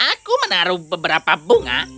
aku menaruh beberapa bunga